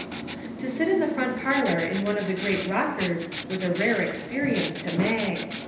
To sit in the front parlor in one of the great rockers was a rare experience to Mag.